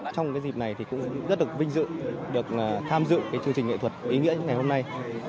trong dịp này cũng rất được vinh dự được tham dự chương trình nghệ thuật ý nghĩa ngày hôm nay